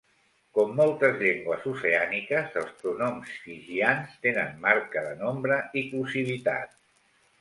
Com moltes llengües oceàniques, els pronoms fijians tenen marca de nombre i clusivitat.